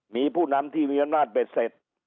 มีผู้นำที่มีอำนาจเบ็ดเสร็จ